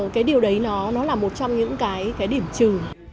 cái điều đấy nó là một trong những cái điểm trừ